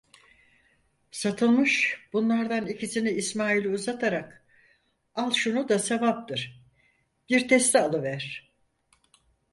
Satılmış bunlardan ikisini İsmail'e uzatarak: "Al şunu da, sevaptır, bir testi alıver".